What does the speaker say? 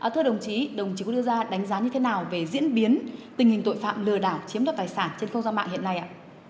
thưa đồng chí đồng chí có đưa ra đánh giá như thế nào về diễn biến tình hình tội phạm lừa đảo chiếm đoạt tài sản trên không gian mạng hiện nay ạ